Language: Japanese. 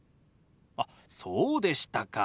あっそうでしたか。